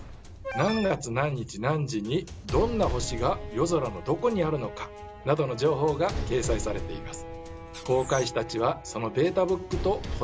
「何月何日何時にどんな星が夜空のどこにあるのか」などの情報が掲載されています。